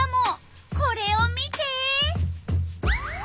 これを見て！